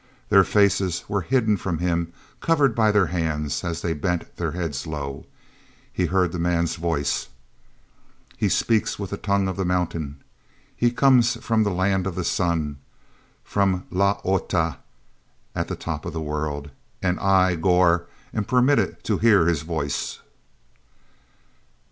Their faces were hidden from him, covered by their hands as they bent their heads low. He heard the man's voice: "He speaks with the tongue of the Mountain! He comes from the Land of the Sun, from Lah o tah, at the top of the world! And I, Gor, am permitted to hear his voice!"